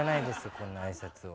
こんな挨拶を。